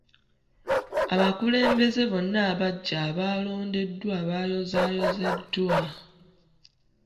Abakulembeze bonna abagya abalondebwa bayozayozeddwa.